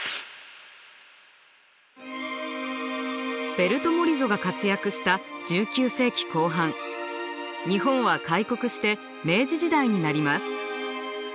ベルト・モリゾが活躍した１９世紀後半日本は開国して明治時代になります。